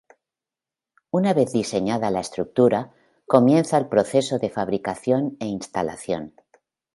Una vez diseñada la estructura, comienza el proceso de fabricación e instalación.